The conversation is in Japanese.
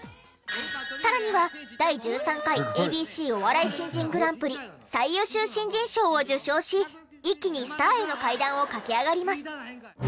さらには第１３回ＡＢＣお笑い新人グランプリ最優秀新人賞を受賞し一気にスターへの階段を駆け上がります。